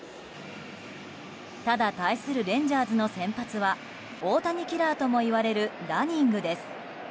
ただ対するレンジャーズの先発は大谷キラーともいわれるダニングです。